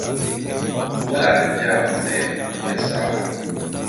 Bula’ane bia moni esa won !